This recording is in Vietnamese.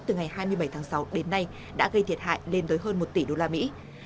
từ ngày hai mươi bảy tháng sáu đến nay đã gây thiệt hại lên tới hơn một tỷ đô la mỹ